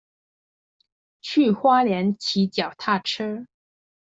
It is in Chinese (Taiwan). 去花蓮騎腳踏車